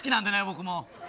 僕も。